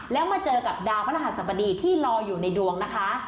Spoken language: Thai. แล้วมาเจอกับดาวพระรหัสบดีที่รออยู่ในดวงนะคะ